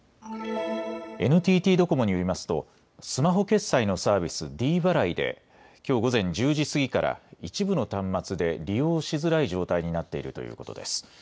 ＮＴＴドコモによりますとスマホ決済のサービス、ｄ払いできょう午前１０時過ぎから一部の端末で利用しづらい状態になっているということです。